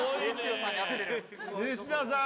西田さん。